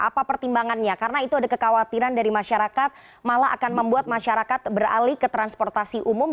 apa pertimbangannya karena itu ada kekhawatiran dari masyarakat malah akan membuat masyarakat beralih ke transportasi umum